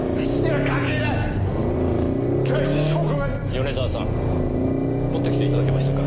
米沢さん持ってきて頂けましたか？